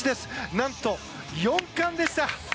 なんと４冠でした！